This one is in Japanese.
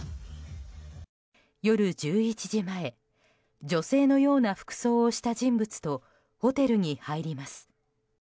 夜１１時前女性のような服装をした人物とホテルに入ります。